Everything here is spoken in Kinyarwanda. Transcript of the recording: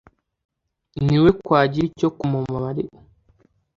Ni we kwagira icyo kumumarira